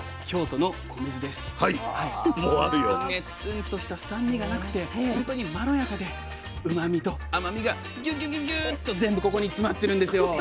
本当にねツンとした酸味がなくて本当にまろやかでうまみと甘みがギュギュギュギュッと全部ここに詰まってるんですよ。